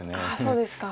そうですか。